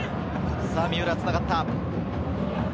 三浦につながった。